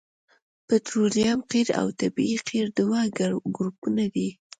پطرولیم قیر او طبیعي قیر دوه ګروپونه دي